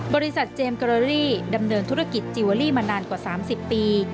เจมส์เกอรี่ดำเนินธุรกิจจิลเวอรี่มานานกว่า๓๐ปี